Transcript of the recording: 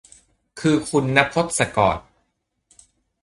คือคุณณพจน์ศกร